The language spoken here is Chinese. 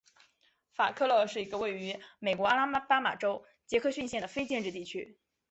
法克勒是一个位于美国阿拉巴马州杰克逊县的非建制地区。